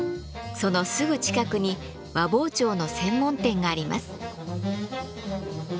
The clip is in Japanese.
そのすぐ近くに和包丁の専門店があります。